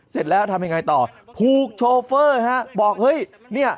เสร็จแล้วทำยังไงต่อถูกโชเฟอร์ฮะบอกเฮ้ยเนี่ย